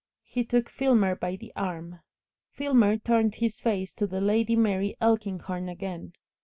He took Filmer by the arm. Filmer turned his face to the Lady Mary Elkinghorn again.